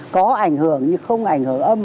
có ảnh hưởng nhưng không ảnh hưởng âm